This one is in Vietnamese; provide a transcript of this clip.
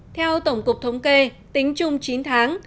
theo tổng cục thống kê tính chung chín tháng